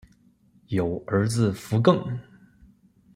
有儿子伏暅。